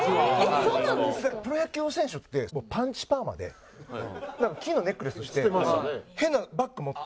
プロ野球選手ってパンチパーマで金のネックレスして変なバッグ持って。